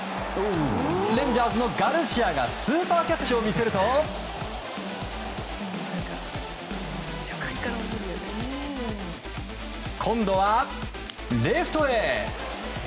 レンジャーズのガルシアがスーパーキャッチを見せると今度はレフトへ。